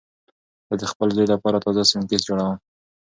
زه د خپل زوی لپاره تازه سنکس جوړوم.